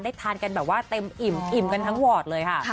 ทานกันแบบว่าเต็มอิ่มอิ่มกันทั้งวอร์ดเลยค่ะ